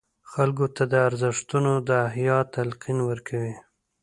خلکو ته د ارزښتونو د احیا تلقین ورکړي.